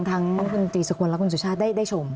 ทั้งคุณตีสุกลและคุณสุชาติได้ชม